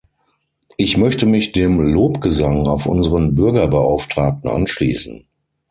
Ich möchte mich dem Lobgesang auf unseren Bürgerbeauftragten anschließen.